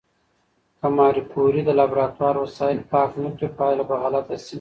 که ماري کوري د لابراتوار وسایل پاک نه کړي، پایله به غلطه شي.